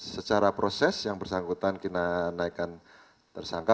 secara proses yang bersangkutan kita naikkan tersangka